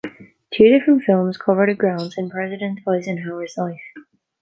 Two different films cover the grounds and President Eisenhower's life.